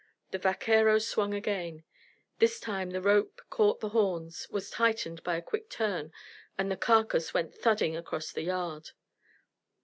The vaquero swung again. This time the rope caught the horns, was tightened by a quick turn, and the carcass went thudding across the yard.